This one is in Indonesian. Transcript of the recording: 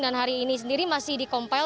dan hari ini sendiri masih dikompel